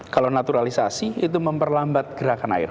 kalau naturalisasi itu memperlambat gerakan air